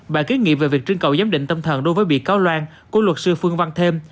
bản ký nghị về việc trưng cầu giám định tâm thần đối với bị cáo loạn của luật sư phương văn thêm